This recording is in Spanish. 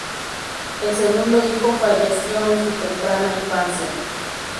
El segundo hijo falleció en su temprana infancia.